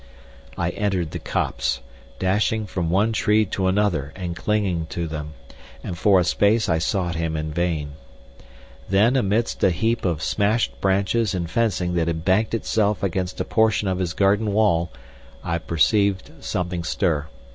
I entered the copse, dashing from one tree to another and clinging to them, and for a space I sought him in vain. Then amidst a heap of smashed branches and fencing that had banked itself against a portion of his garden wall I perceived something stir.